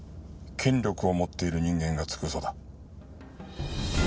権力を持っている人間がつく嘘だ。